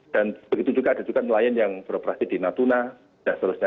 dan begitu juga ada juga nelayan yang beroperasi di natuna dan sebagainya